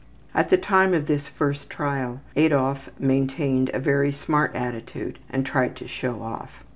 At the time of this first trial Adolf maintained a very smart attitude and tried to show off.